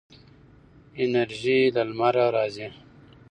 انرژي له لمره راځي.